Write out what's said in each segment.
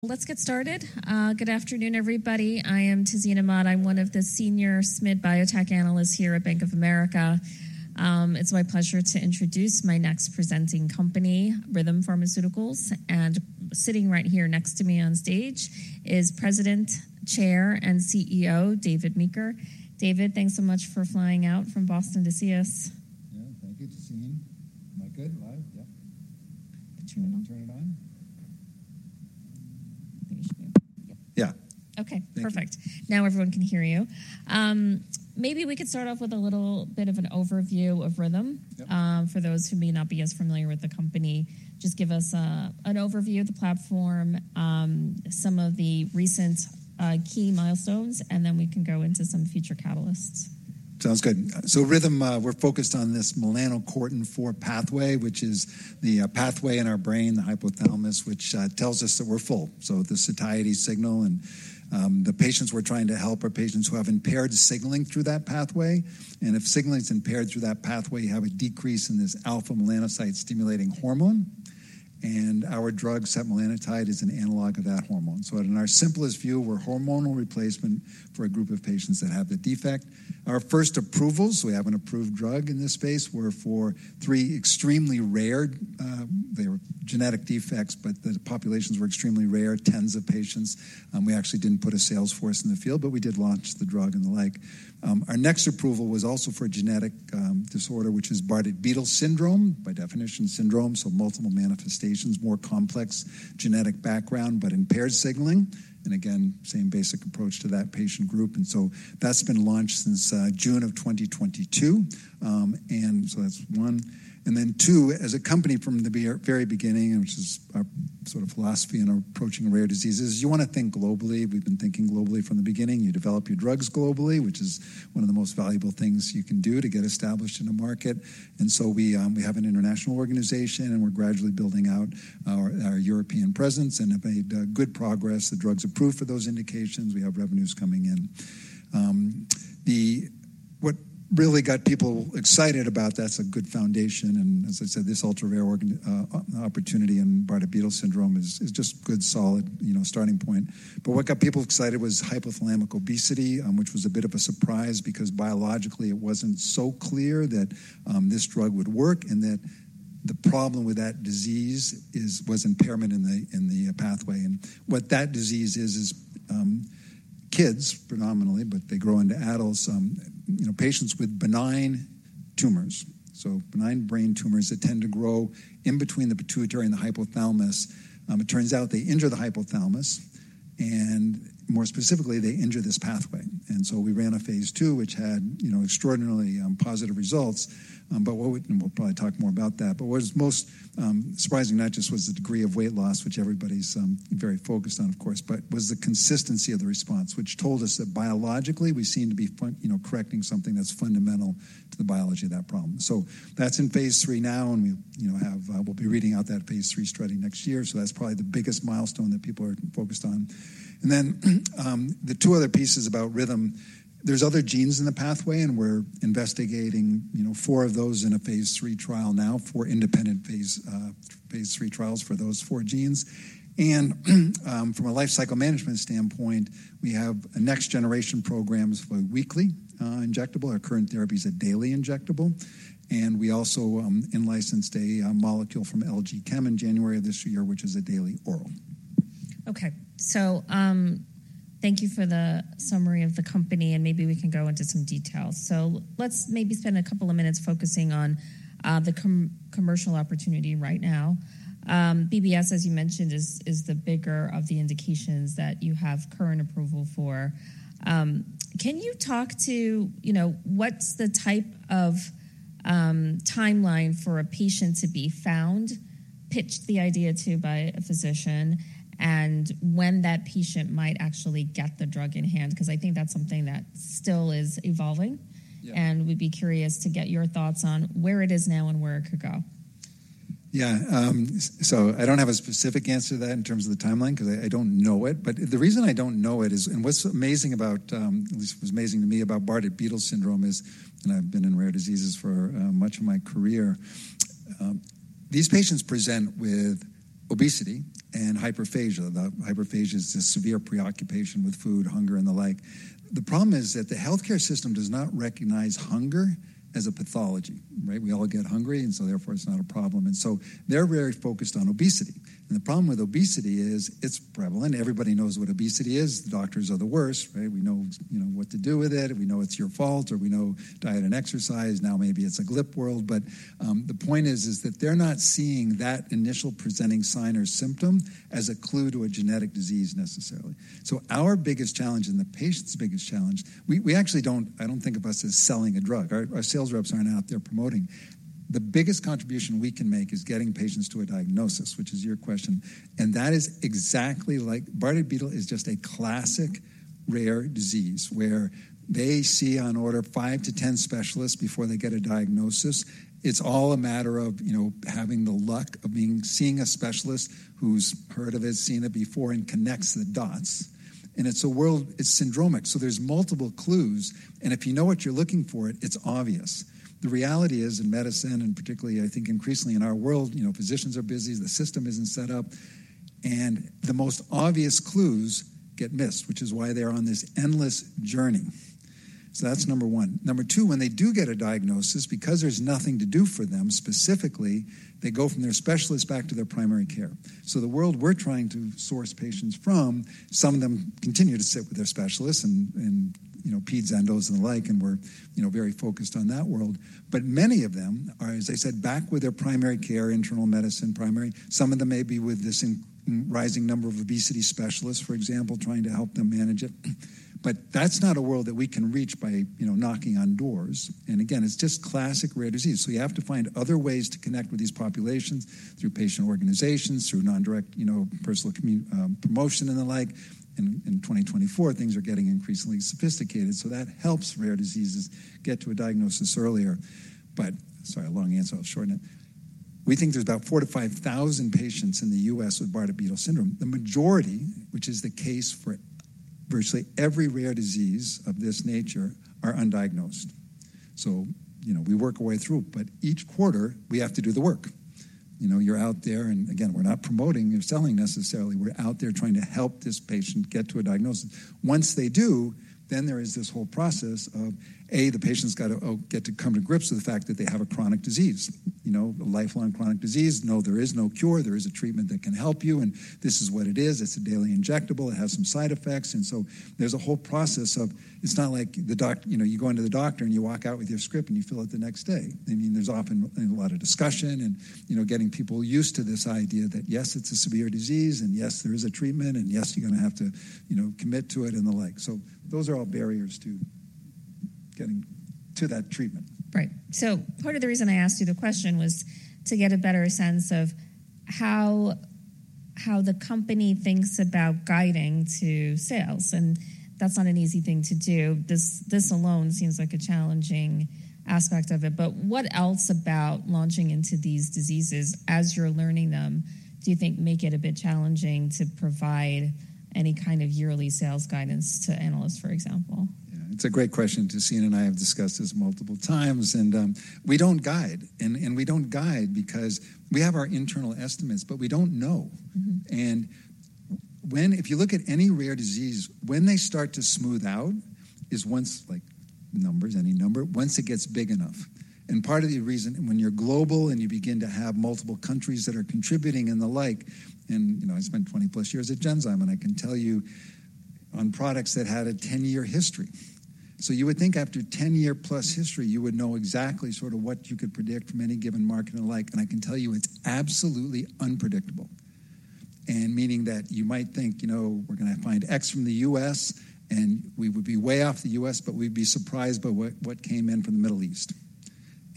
Let's get started. Good afternoon, everybody. I am Tazeen Ahmad. I'm one of the Senior SMID Biotech Analysts here at Bank of America. It's my pleasure to introduce my next presenting company, Rhythm Pharmaceuticals. Sitting right here next to me on stage is President, Chair, and CEO David Meeker. David, thanks so much for flying out from Boston to see us. Yeah, thank you, Tazeen. Am I good live? Yeah. Can you turn it on? Turn it on? I think it should be. Yeah. Yeah. Okay, perfect. Now everyone can hear you. Maybe we could start off with a little bit of an overview of Rhythm. For those who may not be as familiar with the company, just give us an overview of the platform, some of the recent key milestones, and then we can go into some future catalysts. Sounds good. So Rhythm, we're focused on this melanocortin-4 pathway, which is the pathway in our brain, the hypothalamus, which tells us that we're full. So the satiety signal and the patients we're trying to help are patients who have impaired signaling through that pathway. And if signaling is impaired through that pathway, you have a decrease in this alpha-melanocyte-stimulating hormone. And our drug, setmelanotide, is an analog of that hormone. So in our simplest view, we're hormonal replacement for a group of patients that have the defect. Our first approvals, so we have an approved drug in this space, were for three extremely rare, they were genetic defects, but the populations were extremely rare, tens of patients. We actually didn't put a sales force in the field, but we did launch the drug and the like. Our next approval was also for a genetic disorder, which is Bardet-Biedl syndrome, by definition syndrome, so multiple manifestations, more complex genetic background but impaired signaling. Again, same basic approach to that patient group. So that's been launched since June of 2022. So that's one. Then two, as a company from the very beginning, which is our sort of philosophy in approaching rare diseases, is you want to think globally. We've been thinking globally from the beginning. You develop your drugs globally, which is one of the most valuable things you can do to get established in a market. So we have an international organization, and we're gradually building out our European presence and have made good progress. The drugs are approved for those indications. We have revenues coming in. What really got people excited about that is a good foundation. As I said, this ultra-rare opportunity in Bardet-Biedl syndrome is just good, solid starting point. But what got people excited was hypothalamic obesity, which was a bit of a surprise because biologically it wasn't so clear that this drug would work and that the problem with that disease was impairment in the pathway. What that disease is, is kids predominantly, but they grow into adults, patients with benign tumors. So benign brain tumors that tend to grow in between the pituitary and the hypothalamus. It turns out they injure the hypothalamus, and more specifically, they injure this pathway. And so we ran a phase II, which had extraordinarily positive results. We'll probably talk more about that. But what was most surprising, not just was the degree of weight loss, which everybody's very focused on, of course, but was the consistency of the response, which told us that biologically we seem to be correcting something that's fundamental to the biology of that problem. So that's in phase III now, and we'll be reading out that phase III study next year. So that's probably the biggest milestone that people are focused on. And then the two other pieces about Rhythm, there's other genes in the pathway, and we're investigating 4 of those in a phase III trial now, 4 independent phase III trials for those 4 genes. And from a lifecycle management standpoint, we have next-generation programs for weekly injectable. Our current therapy is a daily injectable. And we also in-licensed a molecule from LG Chem in January of this year, which is a daily oral. Okay. Thank you for the summary of the company, and maybe we can go into some details. Let's maybe spend a couple of minutes focusing on the commercial opportunity right now. BBS, as you mentioned, is the bigger of the indications that you have current approval for. Can you talk to what's the type of timeline for a patient to be found, pitched the idea to by a physician, and when that patient might actually get the drug in hand? Because I think that's something that still is evolving, and we'd be curious to get your thoughts on where it is now and where it could go. Yeah. So I don't have a specific answer to that in terms of the timeline because I don't know it. But the reason I don't know it is, and what's amazing about, at least it was amazing to me about Bardet-Biedl syndrome is, and I've been in rare diseases for much of my career, these patients present with obesity and hyperphagia. Hyperphagia is this severe preoccupation with food, hunger, and the like. The problem is that the healthcare system does not recognize hunger as a pathology, right? We all get hungry, and so therefore it's not a problem. And so they're very focused on obesity. And the problem with obesity is it's prevalent. Everybody knows what obesity is. Doctors are the worst, right? We know what to do with it. We know it's your fault, or we know diet and exercise. Now maybe it's a GLP world. But the point is that they're not seeing that initial presenting sign or symptom as a clue to a genetic disease necessarily. So our biggest challenge and the patient's biggest challenge we actually don't I don't think of us as selling a drug. Our sales reps aren't out there promoting. The biggest contribution we can make is getting patients to a diagnosis, which is your question. And that is exactly like Bardet-Biedl is just a classic rare disease where they see on order 5-10 specialists before they get a diagnosis. It's all a matter of having the luck of seeing a specialist who's heard of it, seen it before, and connects the dots. And it's a world—it's syndromic. So there's multiple clues. And if you know what you're looking for, it's obvious. The reality is in medicine, and particularly, I think, increasingly in our world, physicians are busy. The system isn't set up. The most obvious clues get missed, which is why they're on this endless journey. That's number one. Number two, when they do get a diagnosis, because there's nothing to do for them specifically, they go from their specialist back to their primary care. The world we're trying to source patients from, some of them continue to sit with their specialists and peds endos and the like, and we're very focused on that world. But many of them are, as I said, back with their primary care, internal medicine primary. Some of them may be with this rising number of obesity specialists, for example, trying to help them manage it. But that's not a world that we can reach by knocking on doors. Again, it's just classic rare disease. So you have to find other ways to connect with these populations through patient organizations, through non-direct personal promotion and the like. In 2024, things are getting increasingly sophisticated. So that helps rare diseases get to a diagnosis earlier. But sorry, long answer. I'll shorten it. We think there's about 4,000-5,000 patients in the U.S. with Bardet-Biedl syndrome. The majority, which is the case for virtually every rare disease of this nature, are undiagnosed. So we work our way through, but each quarter we have to do the work. You're out there. And again, we're not promoting or selling necessarily. We're out there trying to help this patient get to a diagnosis. Once they do, then there is this whole process of, A, the patient's got to get to come to grips with the fact that they have a chronic disease, a lifelong chronic disease. No, there is no cure. There is a treatment that can help you, and this is what it is. It's a daily injectable. It has some side effects. And so there's a whole process. It's not like you go into the doctor and you walk out with your script and you fill it the next day. I mean, there's often a lot of discussion and getting people used to this idea that, yes, it's a severe disease, and yes, there is a treatment, and yes, you're going to have to commit to it and the like. So those are all barriers to getting to that treatment. Right. So part of the reason I asked you the question was to get a better sense of how the company thinks about guiding to sales. That's not an easy thing to do. This alone seems like a challenging aspect of it. But what else about launching into these diseases, as you're learning them, do you think makes it a bit challenging to provide any kind of yearly sales guidance to analysts, for example? Yeah, it's a great question. Tazeen and I have discussed this multiple times. And we don't guide. And we don't guide because we have our internal estimates, but we don't know. And if you look at any rare disease, when they start to smooth out is once numbers, any number, once it gets big enough. And part of the reason, when you're global and you begin to have multiple countries that are contributing and the like, and I spent 20+ years at Genzyme, and I can tell you on products that had a 10-year history, so you would think after 10-year-plus history, you would know exactly sort of what you could predict from any given market and the like. And I can tell you it's absolutely unpredictable, meaning that you might think, "We're going to find X from the U.S., and we would be way off the U.S., but we'd be surprised by what came in from the Middle East."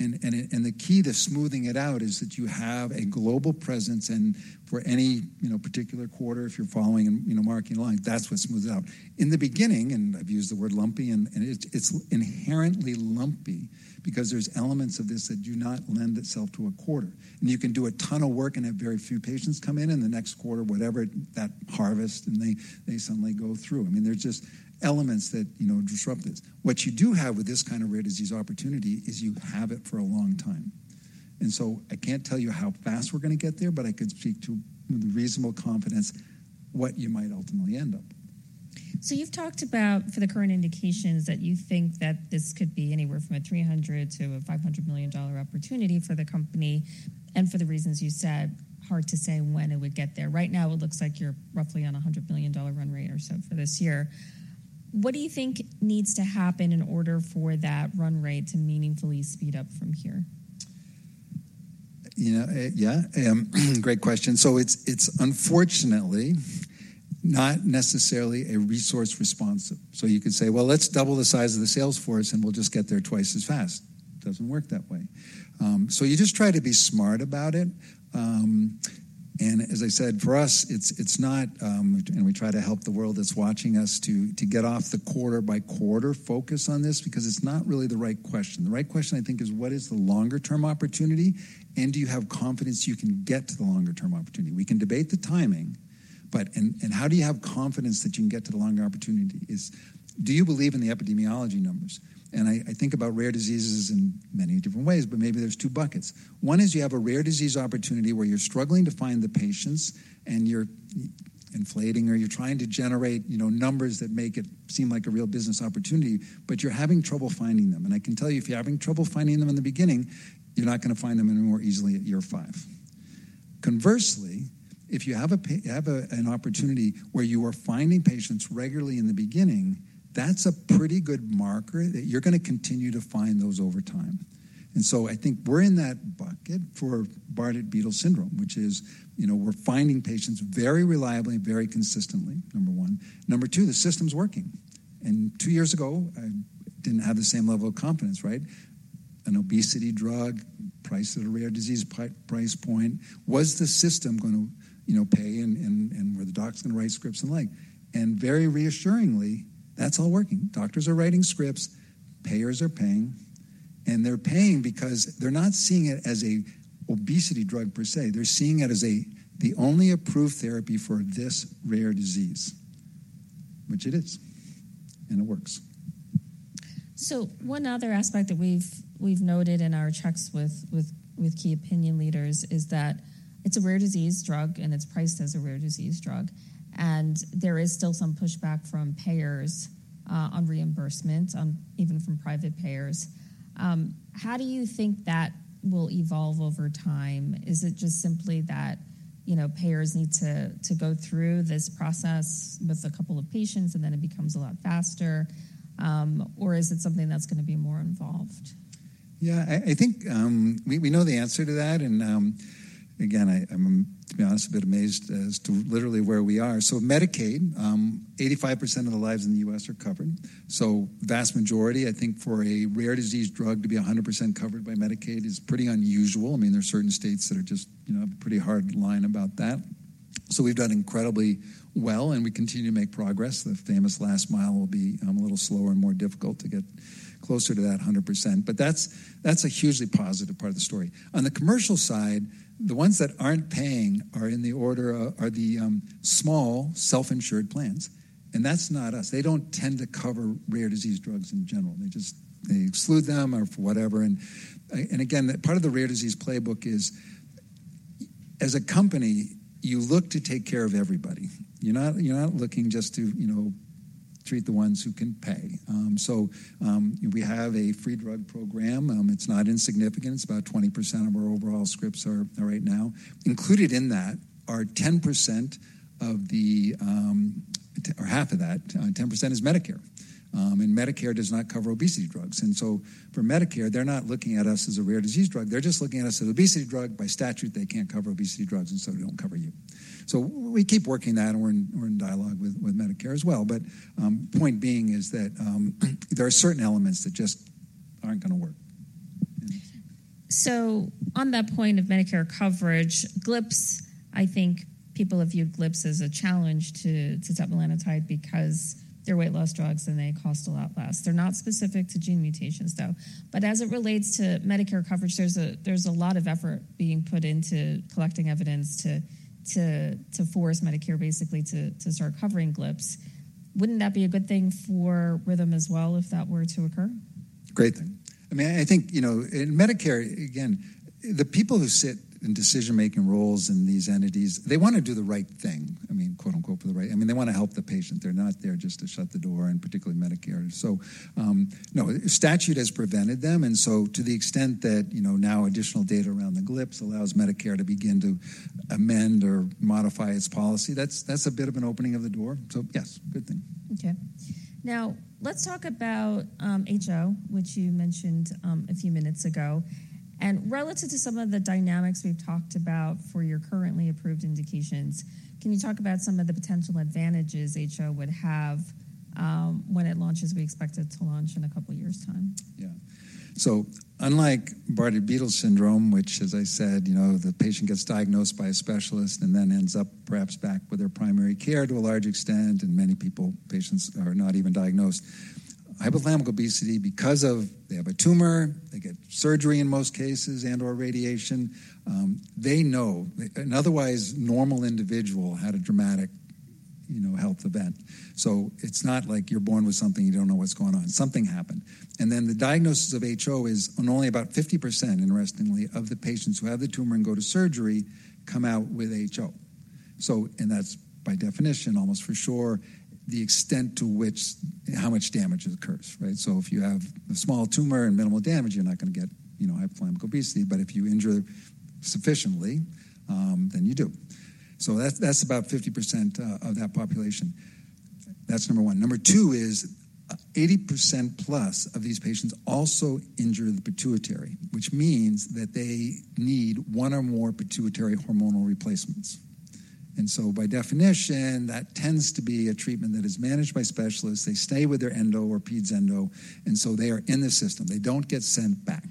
And the key to smoothing it out is that you have a global presence. And for any particular quarter, if you're following and marking lines, that's what smooths it out. In the beginning, and I've used the word lumpy, and it's inherently lumpy because there's elements of this that do not lend itself to a quarter. And you can do a ton of work and have very few patients come in, and the next quarter, whatever, that harvest, and they suddenly go through. I mean, there's just elements that disrupt this. What you do have with this kind of rare disease opportunity is you have it for a long time. And so I can't tell you how fast we're going to get there, but I could speak to with reasonable confidence what you might ultimately end up. So you've talked about, for the current indications, that you think that this could be anywhere from $300 million-$500 million opportunity for the company. And for the reasons you said, hard to say when it would get there. Right now, it looks like you're roughly on a $100 million run rate or so for this year. What do you think needs to happen in order for that run rate to meaningfully speed up from here? Yeah, great question. So it's, unfortunately, not necessarily a resource-responsive. So you could say, "Well, let's double the size of the sales force, and we'll just get there twice as fast." It doesn't work that way. So you just try to be smart about it. And as I said, for us, it's not, and we try to help the world that's watching us, to get off the quarter-by-quarter focus on this because it's not really the right question. The right question, I think, is, "What is the longer-term opportunity, and do you have confidence you can get to the longer-term opportunity?" We can debate the timing, but how do you have confidence that you can get to the longer opportunity is, do you believe in the epidemiology numbers? And I think about rare diseases in many different ways, but maybe there's two buckets. One is you have a rare disease opportunity where you're struggling to find the patients, and you're inflating, or you're trying to generate numbers that make it seem like a real business opportunity, but you're having trouble finding them. And I can tell you, if you're having trouble finding them in the beginning, you're not going to find them any more easily at year five. Conversely, if you have an opportunity where you are finding patients regularly in the beginning, that's a pretty good marker that you're going to continue to find those over time. And so I think we're in that bucket for Bardet-Biedl syndrome, which is we're finding patients very reliably, very consistently, number one. Number two, the system's working. And two years ago, I didn't have the same level of confidence, right? An obesity drug, priced at a rare disease price point, was the system going to pay, and were the docs going to write scripts and the like? Very reassuringly, that's all working. Doctors are writing scripts. Payers are paying. And they're paying because they're not seeing it as an obesity drug per se. They're seeing it as the only approved therapy for this rare disease, which it is, and it works. One other aspect that we've noted in our checks with key opinion leaders is that it's a rare disease drug, and it's priced as a rare disease drug. There is still some pushback from payers on reimbursement, even from private payers. How do you think that will evolve over time? Is it just simply that payers need to go through this process with a couple of patients, and then it becomes a lot faster? Or is it something that's going to be more involved? Yeah, I think we know the answer to that. And again, I'm, to be honest, a bit amazed as to literally where we are. So Medicaid, 85% of the lives in the U.S. are covered. So vast majority, I think, for a rare disease drug to be 100% covered by Medicaid is pretty unusual. I mean, there are certain states that are just pretty hard line about that. So we've done incredibly well, and we continue to make progress. The famous last mile will be a little slower and more difficult to get closer to that 100%. But that's a hugely positive part of the story. On the commercial side, the ones that aren't paying are the small self-insured plans. And that's not us. They don't tend to cover rare disease drugs in general. They exclude them or whatever. And again, part of the rare disease playbook is, as a company, you look to take care of everybody. You're not looking just to treat the ones who can pay. So we have a free drug program. It's not insignificant. It's about 20% of our overall scripts right now. Included in that are 10% of the or half of that. 10% is Medicare. And Medicare does not cover obesity drugs. And so for Medicare, they're not looking at us as a rare disease drug. They're just looking at us as an obesity drug. By statute, they can't cover obesity drugs, and so they don't cover you. So we keep working that, and we're in dialogue with Medicare as well. But point being is that there are certain elements that just aren't going to work. So on that point of Medicare coverage, GLPs, I think people have viewed GLPs as a challenge to setmelanotide because they're weight loss drugs, and they cost a lot less. They're not specific to gene mutations, though. But as it relates to Medicare coverage, there's a lot of effort being put into collecting evidence to force Medicare, basically, to start covering GLPs. Wouldn't that be a good thing for Rhythm as well if that were to occur? Great thing. I mean, I think in Medicare, again, the people who sit in decision-making roles in these entities, they want to do the right thing, I mean, "for the right." I mean, they want to help the patient. They're not there just to shut the door, and particularly Medicare. So no, statute has prevented them. And so to the extent that now additional data around the GLPs allows Medicare to begin to amend or modify its policy, that's a bit of an opening of the door. So yes, good thing. Okay. Now, let's talk about HO, which you mentioned a few minutes ago. Relative to some of the dynamics we've talked about for your currently approved indications, can you talk about some of the potential advantages HO would have when it launches, we expect it to launch in a couple of years' time? Yeah. So unlike Bardet-Biedl syndrome, which, as I said, the patient gets diagnosed by a specialist and then ends up perhaps back with their primary care to a large extent, and many patients are not even diagnosed, hypothalamic obesity, because they have a tumor, they get surgery in most cases and/or radiation, they know an otherwise normal individual had a dramatic health event. So it's not like you're born with something you don't know what's going on. Something happened. And then the diagnosis of HO is only about 50%, interestingly, of the patients who have the tumor and go to surgery come out with HO. And that's, by definition, almost for sure, the extent to which how much damage occurs, right? So if you have a small tumor and minimal damage, you're not going to get hypothalamic obesity. But if you injure sufficiently, then you do. So that's about 50% of that population. That's number one. Number two is 80%+ of these patients also injure the pituitary, which means that they need one or more pituitary hormonal replacements. And so by definition, that tends to be a treatment that is managed by specialists. They stay with their endo or peds endo, and so they are in the system. They don't get sent back.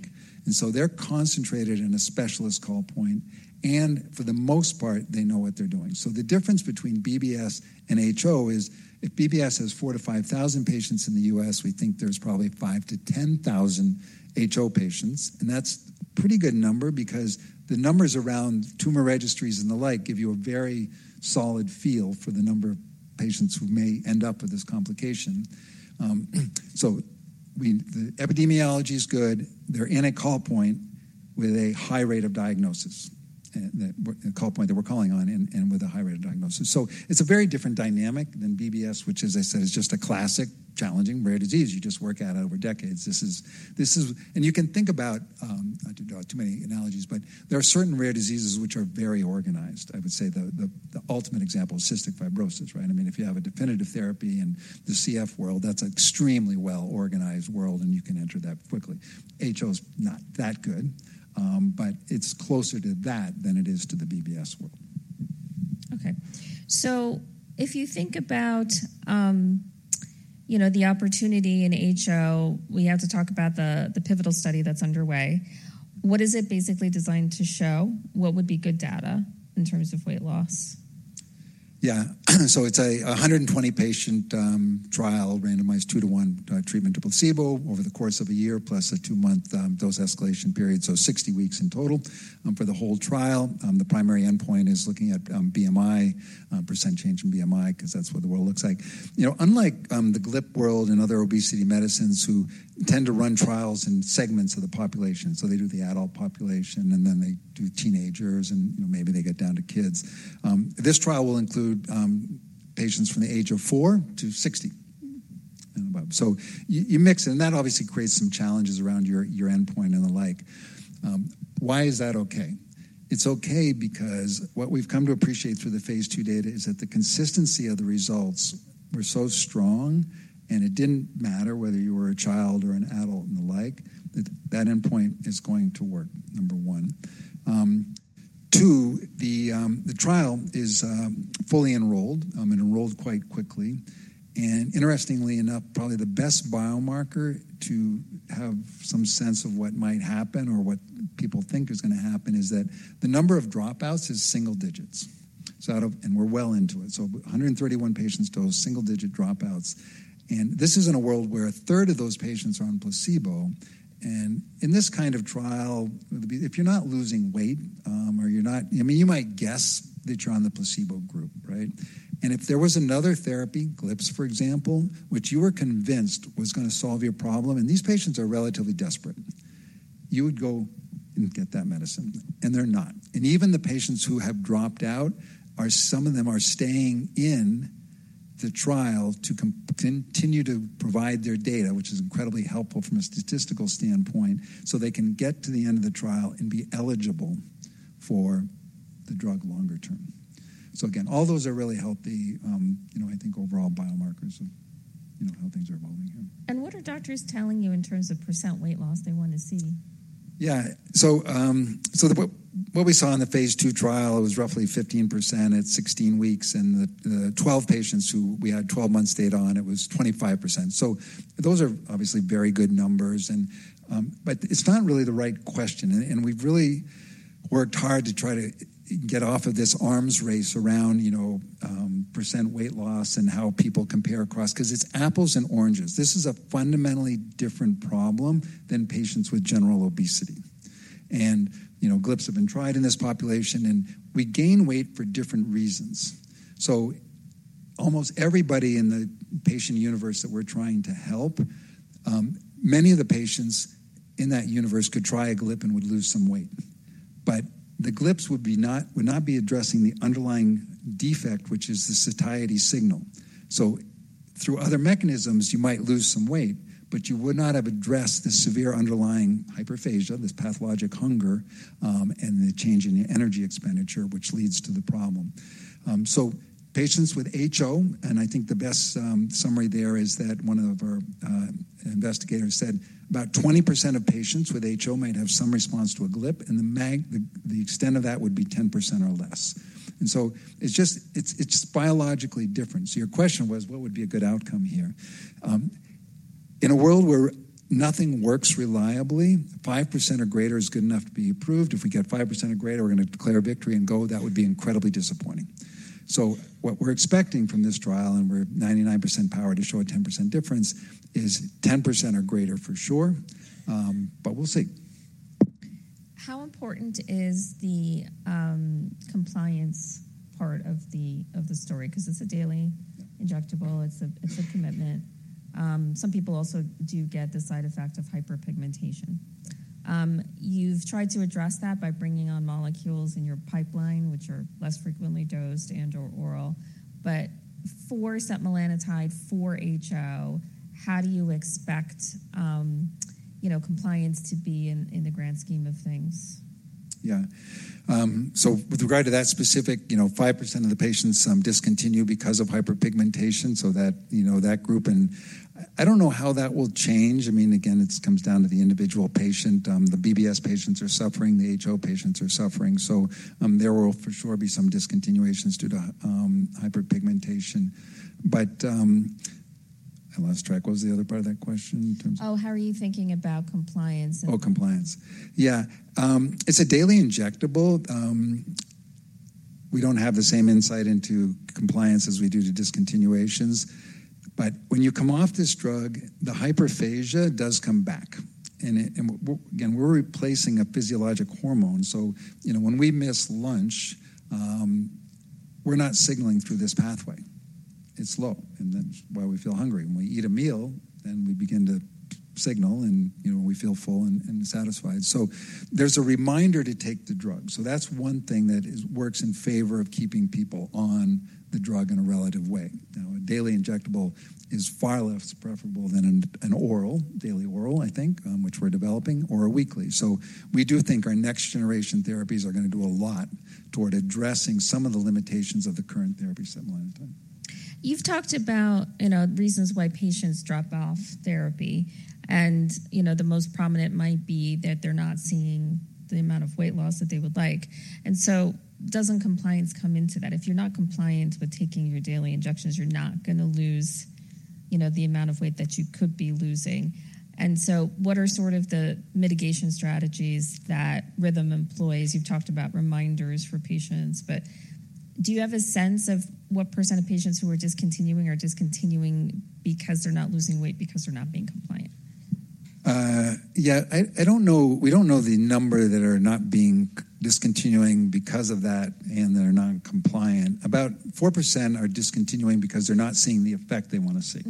And so they're concentrated in a specialist call point, and for the most part, they know what they're doing. So the difference between BBS and HO is if BBS has 4,000-5,000 patients in the US, we think there's probably 5,000-10,000 HO patients. And that's a pretty good number because the numbers around tumor registries and the like give you a very solid feel for the number of patients who may end up with this complication. So the epidemiology is good. They're in a call point with a high rate of diagnosis, a call point that we're calling on and with a high rate of diagnosis. So it's a very different dynamic than BBS, which, as I said, is just a classic challenging rare disease. You just work at it over decades. And you can think about I didn't draw too many analogies, but there are certain rare diseases which are very organized. I would say the ultimate example is cystic fibrosis, right? I mean, if you have a definitive therapy in the CF world, that's an extremely well-organized world, and you can enter that quickly. HO is not that good, but it's closer to that than it is to the BBS world. Okay. So if you think about the opportunity in HO, we have to talk about the pivotal study that's underway. What is it basically designed to show? What would be good data in terms of weight loss? Yeah. So it's a 120-patient trial, randomized 2-to-1 treatment to placebo over the course of a year plus a 2-month dose escalation period, so 60 weeks in total for the whole trial. The primary endpoint is looking at BMI, percentage change in BMI, because that's what the world looks like. Unlike the GLP world and other obesity medicines who tend to run trials in segments of the population, so they do the adult population, and then they do teenagers, and maybe they get down to kids, this trial will include patients from the age of 4-60 and above. So you mix it, and that obviously creates some challenges around your endpoint and the like. Why is that okay? It's okay because what we've come to appreciate through the phase II data is that the consistency of the results were so strong, and it didn't matter whether you were a child or an adult and the like, that that endpoint is going to work, number one. Two, the trial is fully enrolled and enrolled quite quickly. And interestingly enough, probably the best biomarker to have some sense of what might happen or what people think is going to happen is that the number of dropouts is single-digits, and we're well into it. So 131 patients dosed single-digit dropouts. And this is in a world where a third of those patients are on placebo. And in this kind of trial, if you're not losing weight or you're not I mean, you might guess that you're on the placebo group, right? And if there was another therapy, GLPs, for example, which you were convinced was going to solve your problem, and these patients are relatively desperate, you would go and get that medicine, and they're not. And even the patients who have dropped out, some of them are staying in the trial to continue to provide their data, which is incredibly helpful from a statistical standpoint so they can get to the end of the trial and be eligible for the drug longer-term. So again, all those are really healthy, I think, overall biomarkers of how things are evolving here. What are doctors telling you in terms of percent weight loss they want to see? Yeah. So what we saw in the phase II trial, it was roughly 15% at 16 weeks. And the 12 patients who we had 12 months stayed on, it was 25%. So those are obviously very good numbers, but it's not really the right question. And we've really worked hard to try to get off of this arms race around percent weight loss and how people compare across because it's apples and oranges. This is a fundamentally different problem than patients with general obesity. And GLPs have been tried in this population, and we gain weight for different reasons. So almost everybody in the patient universe that we're trying to help, many of the patients in that universe could try a GLP and would lose some weight. But the GLPs would not be addressing the underlying defect, which is the satiety signal. So through other mechanisms, you might lose some weight, but you would not have addressed the severe underlying hyperphagia, this pathologic hunger, and the change in energy expenditure, which leads to the problem. So patients with HO, and I think the best summary there is that one of our investigators said about 20% of patients with HO might have some response to a GLP, and the extent of that would be 10% or less. And so it's just biologically different. So your question was, what would be a good outcome here? In a world where nothing works reliably, 5% or greater is good enough to be approved. If we get 5% or greater, we're going to declare victory and go. That would be incredibly disappointing. So what we're expecting from this trial, and we're 99% powered to show a 10% difference, is 10% or greater for sure, but we'll see. How important is the compliance part of the story? Because it's a daily injectable. It's a commitment. Some people also do get the side effect of hyperpigmentation. You've tried to address that by bringing on molecules in your pipeline, which are less frequently dosed and/or oral. But for setmelanotide, for HO, how do you expect compliance to be in the grand scheme of things? Yeah. So with regard to that specific, 5% of the patients discontinue because of hyperpigmentation, so that group and I don't know how that will change. I mean, again, it comes down to the individual patient. The BBS patients are suffering. The HO patients are suffering. So there will for sure be some discontinuations due to hyperpigmentation. But I lost track. What was the other part of that question in terms of? Oh, how are you thinking about compliance and? Oh, compliance. Yeah. It's a daily injectable. We don't have the same insight into compliance as we do to discontinuations. But when you come off this drug, the hyperphagia does come back. And again, we're replacing a physiologic hormone. So when we miss lunch, we're not signaling through this pathway. It's low, and that's why we feel hungry. When we eat a meal, then we begin to signal, and we feel full and satisfied. So there's a reminder to take the drug. So that's one thing that works in favor of keeping people on the drug in a relative way. Now, a daily injectable is far less preferable than an oral, daily oral, I think, which we're developing, or a weekly. So we do think our next generation therapies are going to do a lot toward addressing some of the limitations of the current therapy, setmelanotide. You've talked about reasons why patients drop off therapy, and the most prominent might be that they're not seeing the amount of weight loss that they would like. And so doesn't compliance come into that? If you're not compliant with taking your daily injections, you're not going to lose the amount of weight that you could be losing. And so what are sort of the mitigation strategies that Rhythm employs? You've talked about reminders for patients, but do you have a sense of what percentage of patients who are discontinuing are discontinuing because they're not losing weight, because they're not being compliant? Yeah. We don't know the number that are not discontinuing because of that and that are non-compliant. About 4% are discontinuing because they're not seeing the effect they want to see.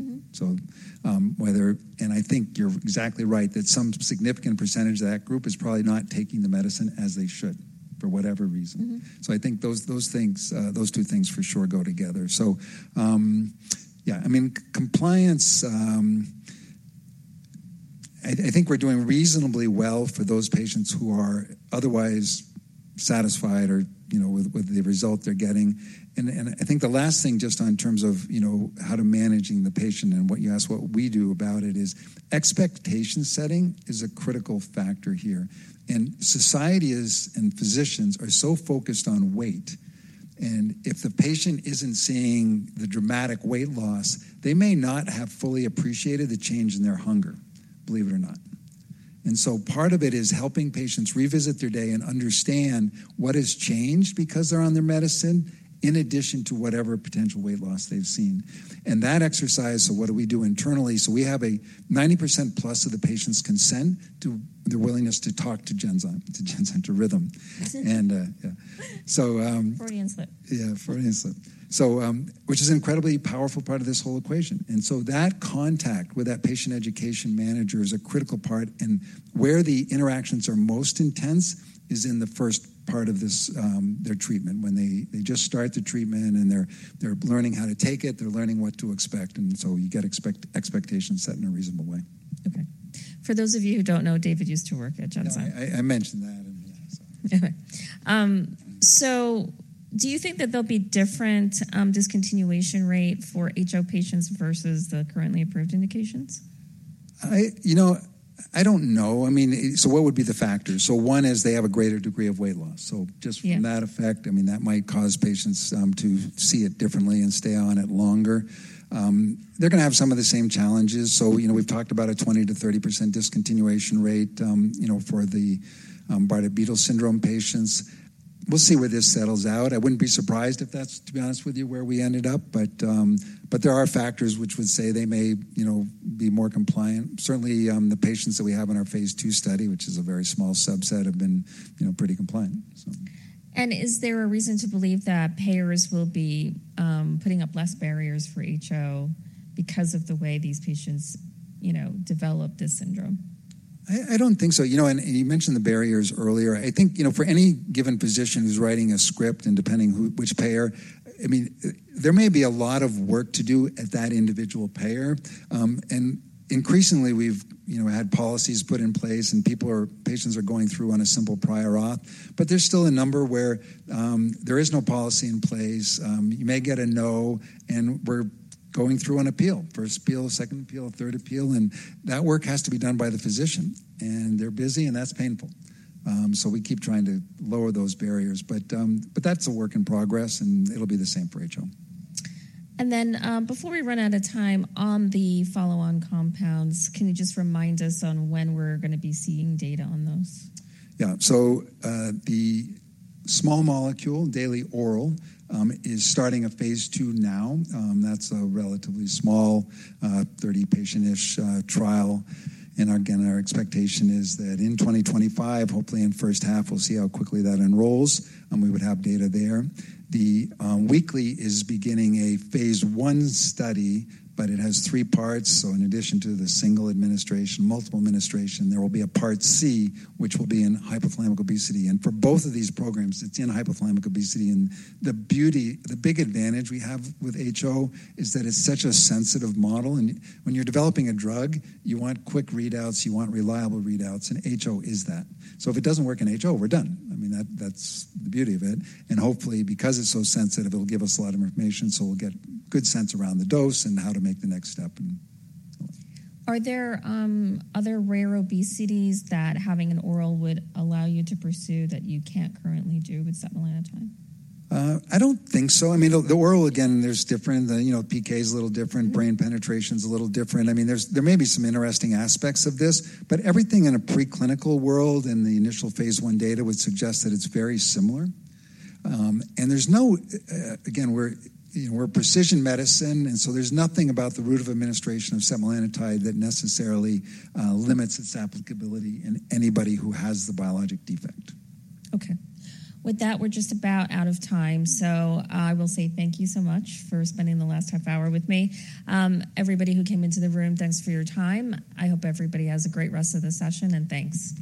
And I think you're exactly right that some significant percentage of that group is probably not taking the medicine as they should for whatever reason. So I think those two things for sure go together. So yeah, I mean, compliance, I think we're doing reasonably well for those patients who are otherwise satisfied with the result they're getting. And I think the last thing just in terms of how to manage the patient and what you ask what we do about it is expectation setting is a critical factor here. And societies and physicians are so focused on weight. If the patient isn't seeing the dramatic weight loss, they may not have fully appreciated the change in their hunger, believe it or not. And so part of it is helping patients revisit their day and understand what has changed because they're on their medicine in addition to whatever potential weight loss they've seen. And that exercise, so what do we do internally? So we have 90%+ of the patients' consent to their willingness to talk to Genzyme, to Rhythm. And yeah. Freudian slip. Yeah, Freudian slip, which is an incredibly powerful part of this whole equation. And so that contact with that patient education manager is a critical part. And where the interactions are most intense is in the first part of their treatment, when they just start the treatment and they're learning how to take it. They're learning what to expect. And so you get expectations set in a reasonable way. Okay. For those of you who don't know, David used to work at Genzyme. Yeah, I mentioned that in the, so. Anyway. So do you think that there'll be different discontinuation rate for HO patients versus the currently approved indications? I don't know. I mean, so what would be the factors? So one is they have a greater degree of weight loss. So just from that effect, I mean, that might cause patients to see it differently and stay on it longer. They're going to have some of the same challenges. So we've talked about a 20%-30% discontinuation rate for the Bardet-Biedl syndrome patients. We'll see where this settles out. I wouldn't be surprised if that's, to be honest with you, where we ended up. But there are factors which would say they may be more compliant. Certainly, the patients that we have in our phase II study, which is a very small subset, have been pretty compliant, so. Is there a reason to believe that payers will be putting up less barriers for HO because of the way these patients develop this syndrome? I don't think so. And you mentioned the barriers earlier. I think for any given physician who's writing a script and depending which payer, I mean, there may be a lot of work to do at that individual payer. And increasingly, we've had policies put in place, and patients are going through on a simple prior auth. But there's still a number where there is no policy in place. You may get a no, and we're going through an appeal, first appeal, second appeal, third appeal. And that work has to be done by the physician, and they're busy, and that's painful. So we keep trying to lower those barriers. But that's a work in progress, and it'll be the same for HO. And then before we run out of time on the follow-on compounds, can you just remind us on when we're going to be seeing data on those? Yeah. So the small molecule, daily oral, is starting a phase II now. That's a relatively small, 30-patient-ish trial. And again, our expectation is that in 2025, hopefully in first half, we'll see how quickly that enrolls, and we would have data there. The weekly is beginning a phase I study, but it has 3 parts. So in addition to the single administration, multiple administration, there will be a part C, which will be in hypothalamic obesity. And for both of these programs, it's in hypothalamic obesity. And the big advantage we have with HO is that it's such a sensitive model. And when you're developing a drug, you want quick readouts. You want reliable readouts, and HO is that. So if it doesn't work in HO, we're done. I mean, that's the beauty of it. Hopefully, because it's so sensitive, it'll give us a lot of information, so we'll get a good sense around the dose and how to make the next step and so on. Are there other rare obesities that having an oral would allow you to pursue that you can't currently do with setmelanotide? I don't think so. I mean, the oral, again, there's different. The PK is a little different. Brain penetration is a little different. I mean, there may be some interesting aspects of this, but everything in a preclinical world and the initial phase I data would suggest that it's very similar. And again, we're precision medicine, and so there's nothing about the route of administration of setmelanotide that necessarily limits its applicability in anybody who has the biologic defect. Okay. With that, we're just about out of time. So I will say thank you so much for spending the last half hour with me. Everybody who came into the room, thanks for your time. I hope everybody has a great rest of the session, and thanks.